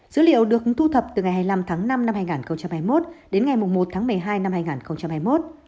dữ liệu được thu thập từ ngày hai mươi năm tháng năm năm hai nghìn hai mươi một đến ngày một tháng một mươi hai năm hai nghìn hai mươi một